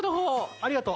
ありがとう。